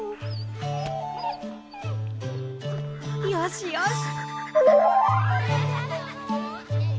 よしよし。